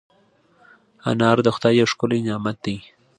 انار د خدای یو ښکلی نعمت دی.